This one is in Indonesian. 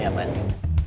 hassam apa rita